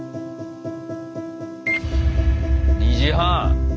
２時半。